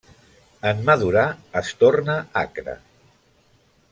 En madurar, es torna acre.